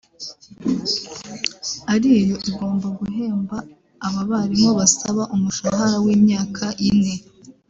ari yo igomba guhemba aba barimu basaba umushahara w’imyaka ine